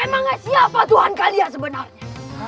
emangnya siapa tuhan kalian sebenarnya